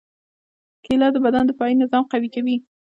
کېله د بدن دفاعي نظام قوي کوي.